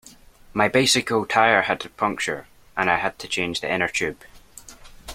My bicycle tyre had a puncture, and I had to change the inner tube